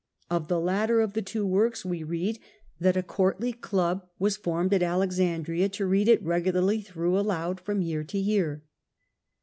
Of the latter of the two works we read that a courtly club was formed at Alexandria to read it regularl) through aloud from year to year.